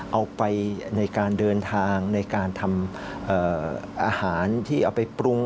เอาไปในการเดินทางในการทำอาหารที่เอาไปปรุง